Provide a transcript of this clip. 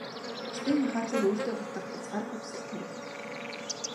Бусдын анхаарлыг өөртөө татах хязгааргүй хүсэл төрөв.